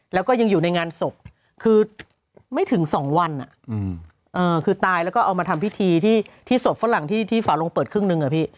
แล้วก็ยังอยู่ในงานศพคือไม่ถึง๒วันคือตายแล้วก็เอามาทำพิธีที่ศพฝรั่งที่ฝาลงเปิดครึ่งหนึ่งอะพี่